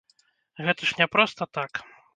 Гэта ж не проста так.